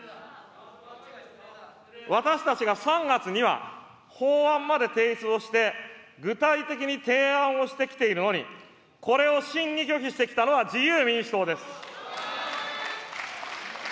私たちが３月には法案まで提出をして、具体的に提案をしてきているのに、これを審議拒否してきたのは自由民主党です。